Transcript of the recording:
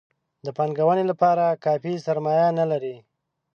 د پانګونې لپاره کافي سرمایه نه لري.